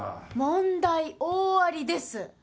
問題大ありです！